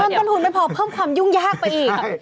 ต้นทุนไม่พอเพิ่มความยุ่งยากไปอีก